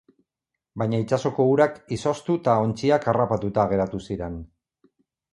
Baina itsasoko urak izoztu eta ontziak harrapatuta geratu ziren.